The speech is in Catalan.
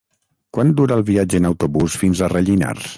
Quant dura el viatge en autobús fins a Rellinars?